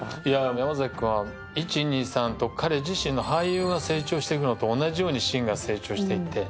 山崎君は１、２、３と彼自身の俳優が成長していくのと同じに成長していって。